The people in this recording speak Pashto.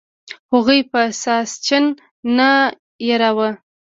هغوی به ساسچن نه یراو.